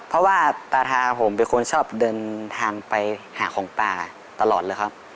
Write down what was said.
เพราะว่าตาทาผมเป็นคนชอบเดินทางไปหาของป่าตลอดเลยครับ